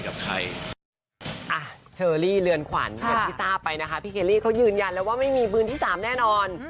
เขายืนยันแล้วว่าไม่มีมือที่๓แน่นอน